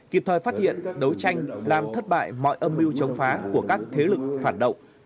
kịp thời phát hiện đấu tranh làm thất bại mọi âm mưu chống phá của các thế lực phản động